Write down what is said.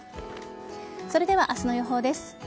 それでは明日の予報です。